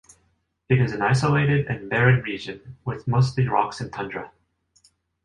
It is an isolated and barren region with mostly rocks and tundra.